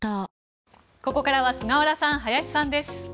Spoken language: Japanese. ここからは菅原さん、林さんです。